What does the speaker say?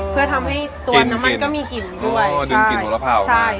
เพื่อทำให้ตัวน้ำมันก็มีกลิ่นด้วยอ๋อดึงกลิ่นหูระพาออกมาใช่